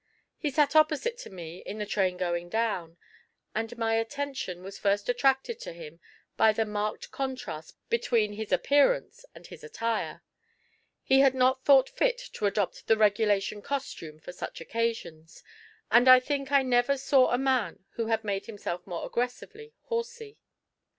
He sat opposite to me in the train going down, and my attention was first attracted to him by the marked contrast between his appearance and his attire: he had not thought fit to adopt the regulation costume for such occasions, and I think I never saw a man who had made himself more aggressively horsey.